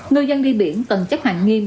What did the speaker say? người dân đi biển cần chấp hạn nghiêm